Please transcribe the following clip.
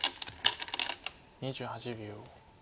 ２８秒。